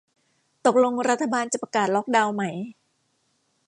ตกลงรัฐบาลจะประกาศล็อกดาวไหม